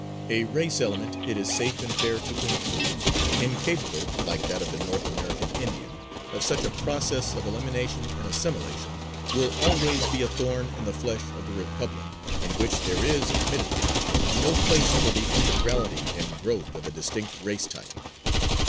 A race element, it is safe and fair to conclude, incapable, like that of the North American Indian, of such a process of elimination and assimilation, will always be a thorn in the flesh of the Republic, in which there is, admittedly, no place for the integrality and growth of a distinct race type.